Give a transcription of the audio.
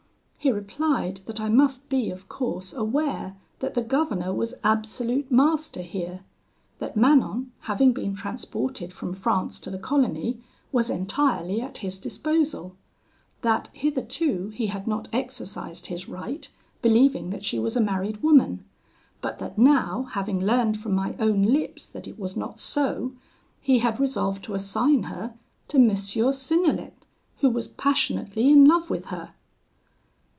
"He replied, that I must be, of course, aware that the governor was absolute master here; that Manon, having been transported from France to the colony, was entirely at his disposal; that, hitherto he had not exercised his right, believing that she was a married woman; but that now, having learned from my own lips that it was not so, he had resolved to assign her to M. Synnelet, who was passionately in love with her.